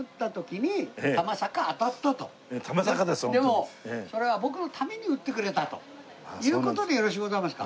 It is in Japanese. でもそれは僕のために撃ってくれたという事でよろしゅうございますか？